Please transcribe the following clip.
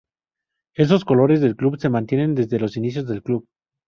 Esos colores del club se mantienen desde los inicios del club.